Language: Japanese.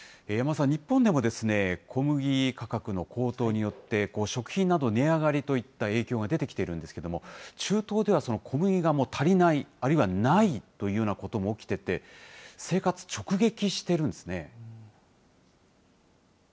山尾さん、日本でも、小麦価格の高騰によって、食品など、値上がりといった影響が出てきているんですけれども、中東では、その小麦が足りない、あるいはないというようなことも起きてて、生活、直撃しているんですね。